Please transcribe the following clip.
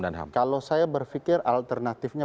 dan ham kalau saya berpikir alternatifnya